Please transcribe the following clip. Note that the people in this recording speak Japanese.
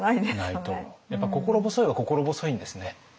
やっぱ心細いは心細いんですね。